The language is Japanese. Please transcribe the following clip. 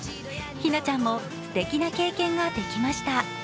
ひなちゃんもすてきな経験ができました。